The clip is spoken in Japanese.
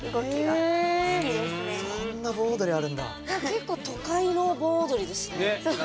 結構都会の盆踊りですね。ね。